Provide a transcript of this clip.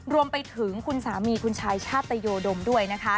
รวมไปถึงคุณสามีคุณชายชาตยดมด้วยนะคะ